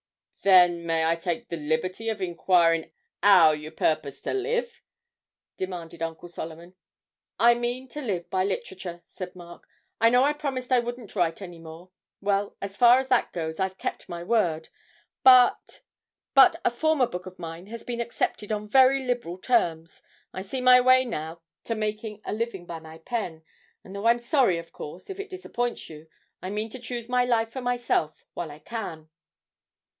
'Then may I take the liberty of inquirin' 'ow you purpose to live?' demanded Uncle Solomon. 'I mean to live by literature,' said Mark; 'I know I promised I wouldn't write any more: well, as far as that goes, I've kept my word; but but a former book of mine has been accepted on very liberal terms, I see my way now to making a living by my pen, and though I'm sorry, of course, if it disappoints you, I mean to choose my life for myself, while I can.'